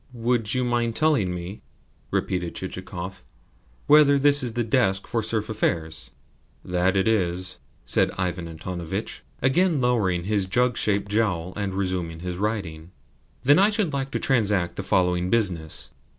"Would you mind telling me," repeated Chichikov, "whether this is the desk for serf affairs?" "It is that," said Ivan Antonovitch, again lowering his jug shaped jowl, and resuming his writing. "Then I should like to transact the following business.